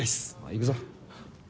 行くぞ。